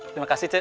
terima kasih cik